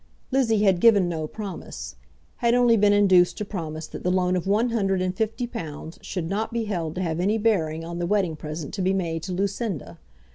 Lizzie had given no promise, had only been induced to promise that the loan of one hundred and fifty pounds should not be held to have any bearing on the wedding present to be made to Lucinda.